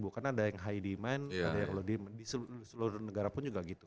bukan ada yang high demand ada yang lolo demand di seluruh negara pun juga gitu